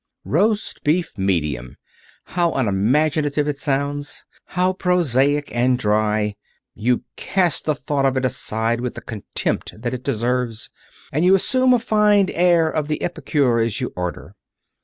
Roast Beef, Medium! How unimaginative it sounds. How prosaic, and dry! You cast the thought of it aside with the contempt that it deserves, and you assume a fine air of the epicure as you order.